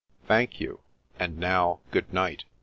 "Thank you. And now, good night.